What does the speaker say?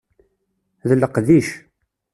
D leqdic.